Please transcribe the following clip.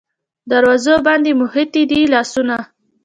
دروازو باندې موښتي دی لاسونه